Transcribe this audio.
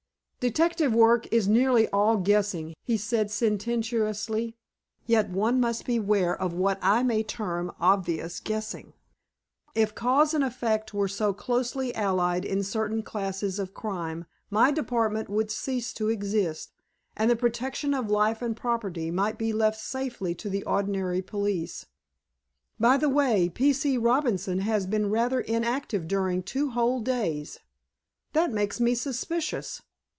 "Detective work is nearly all guessing," he said sententiously, "yet one must beware of what I may term obvious guessing. If cause and effect were so closely allied in certain classes of crime my department would cease to exist, and the protection of life and property might be left safely to the ordinary police. By the way, P. C. Robinson has been rather inactive during two whole days. That makes me suspicious.